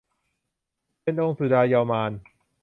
เป็นองค์สุดาเยาวมาลย์